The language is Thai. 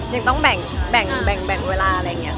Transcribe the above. ยังต้องแบ่งเวลาอะไรเงี้ยค่ะ